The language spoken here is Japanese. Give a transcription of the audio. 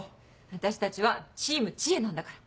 私たちはチーム知恵なんだから。